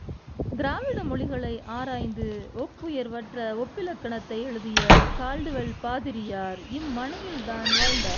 திராவிட மொழிகளை ஆராய்ந்து, ஒப்புயர்வற்ற ஒப்பிலக்கணத்தை எழுதிய கால்டுவெல் பாதிரியார் இம் மனையில் தான் வாழ்ந்தார்.